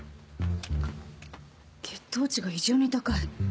血糖値が異常に高い。